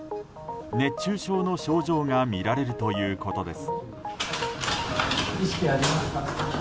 熱中症の症状がみられるということです。